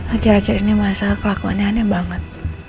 akhir akhir ini masa kelakuannya aneh banget